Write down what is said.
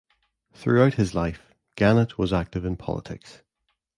Throughout his life, Gannett was active in politics.